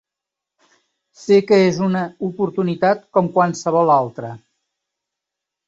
Sé que és una oportunitat com qualsevol altra.